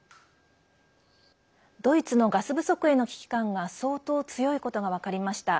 ドイツのガス不足への危機感が相当、強いことが分かりました。